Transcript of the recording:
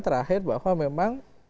terakhir bahwa memang